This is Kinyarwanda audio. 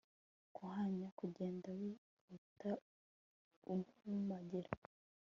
kuhanya kugenda wihuta uhumagira